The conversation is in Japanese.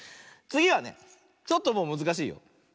つぎはねちょっともうむずかしいよ。